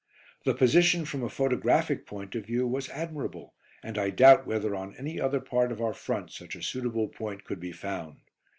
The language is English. The position from a photographic point of view was admirable, and I doubt whether on any other part of our front such a suitable point could be found.